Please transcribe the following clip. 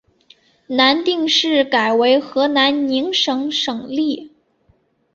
南定市改为河南宁省省莅。